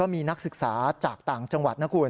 มีนักศึกษาจากต่างจังหวัด